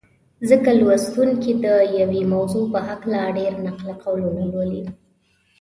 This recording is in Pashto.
ځکه لوستونکي د یوې موضوع په هکله ډېر نقل قولونه لولي.